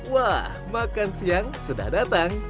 wah makan siang sudah datang